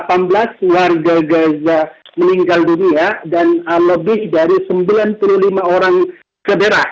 tapi dengan detik ini sudah di delapan belas warga gaza meninggal dunia dan lebih dari sembilan puluh lima orang cederah